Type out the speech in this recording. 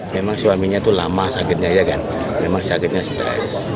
memang suaminya itu lama sakitnya aja kan memang sakitnya stres